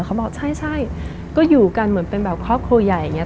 เขาบอกใช่ก็อยู่กันเหมือนเป็นแบบครอบครัวใหญ่อย่างนี้